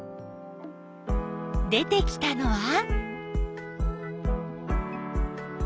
出てきたのは？